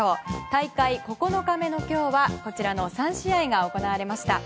大会９日目の今日はこちらの３試合が行われました。